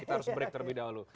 kita harus break terlebih dahulu